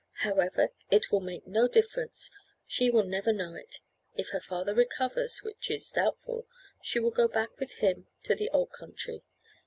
However, it will make no difference. She will never know it. If her father recovers, which is doubtful, she will go back with him to the old country.